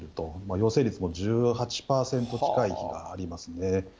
陽性率も１８％近い日がありますね。